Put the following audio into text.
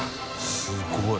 すごい。